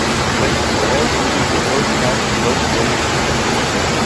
Elections are held using the first-past-the-post voting system.